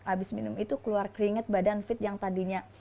abis minum itu keluar keringet badan fit yang tadinya